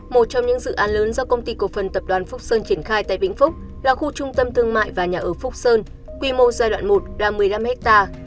một trong những dự án lớn do công ty cổ phần tập đoàn phúc sơn triển khai tại vĩnh phúc là khu trung tâm thương mại và nhà ở phúc sơn quy mô giai đoạn một là một mươi năm ha